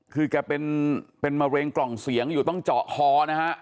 คือแกเป็นมะเร็งกล่องเสียงอยู่ต้องเจาะคอนะฮะ